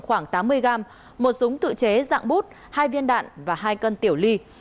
khoảng tám mươi gram một súng tự chế dạng bút hai viên đạn và hai cân tiểu ly